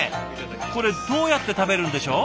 これどうやって食べるんでしょう？